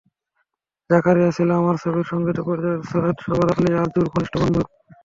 জাকারিয়া ছিল আমার ছবির সংগীত পরিচালক সৈয়দ সাবাব আলী আরজুর ঘনিষ্ঠ বন্ধু।